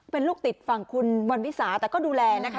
เป็นลูกติดฝั่งคุณวันวิสาแต่ก็ดูแลนะคะ